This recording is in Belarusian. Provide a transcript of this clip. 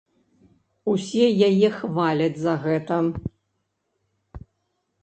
Усе яе хваляць за гэта.